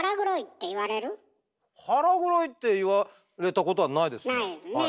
「腹黒い」って言われたことはないですね。